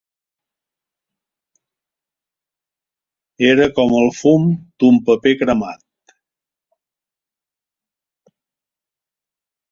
Era com el fum d'un paper cremat.